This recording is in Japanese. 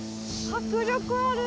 迫力ある！